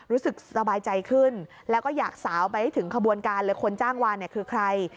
รู้สึกสบายใจขึ้นแล้วก็อยากสาวไปให้ถึงขบวนการเลยคนจ้างวานเนี่ยคือใคร